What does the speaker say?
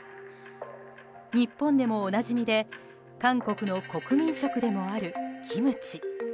日本でもおなじみで韓国の国民食でもあるキムチ。